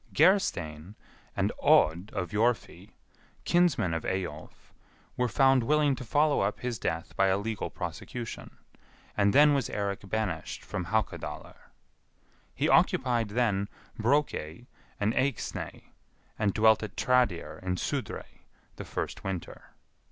Gerstein, and Odd of Jorfi, kinsman of Eyjolf, were found willing to follow up his death by a legal prosecution; and then was Eirik banished from Haukadalr. He occupied then Brokey and Eyxney, and dwelt at Tradir, in Sudrey, the first winter.